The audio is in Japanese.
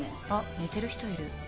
・あっ寝てる人いる。